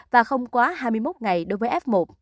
và không quá hai mươi một ngày đối với f một